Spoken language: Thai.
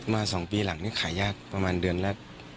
๒ปีหลังนี้ขายยากประมาณเดือนละ